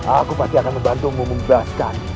aku pasti akan membantu memubahkan